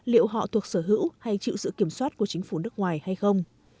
liệu họ thuộc sở hữu hay chịu sự kiểm soát của chính phủ nước ngoài hay không